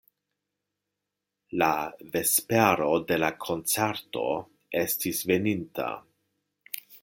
La vespero de la koncerto estis veninta.